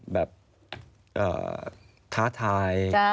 แบบท้าทาย